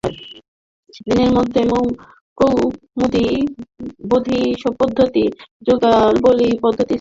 সেগুলির মধ্যে মর্মকৌমুদী, বোধিপদ্ধতি, যোগাবলী প্রভৃতি প্রসিদ্ধ।